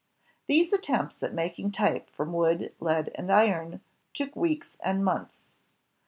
These attempts at making type from wood, lead, and iron took weeks and months.